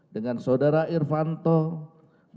dengan saudara irvan tohendro